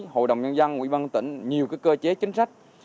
hội đồng nhân dân quỹ văn tỉnh nhiều cơ chế chính sách